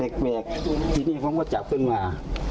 เอ้าเปรกทีนี้ผมก็จับขึ้นมา